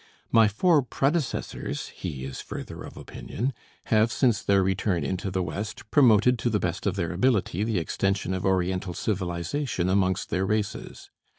My four predecessors, he is further of opinion, have, since their return into the West, promoted to the best of their ability the extension of Oriental civilization amongst their races.